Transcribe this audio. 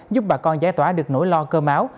giúp bà con giải tỏa được nỗi lo cơ máu